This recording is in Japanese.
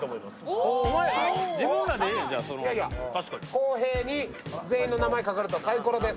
公平に全員の名前が書かれたサイコロです。